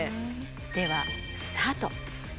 ではスタート。